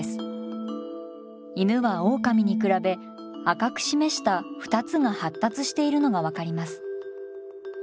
犬はオオカミに比べ赤く示した２つが発達しているのが分かります。